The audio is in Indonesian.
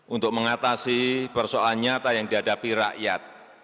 untuk mengatasi persoalan nyata yang dihadapi rakyat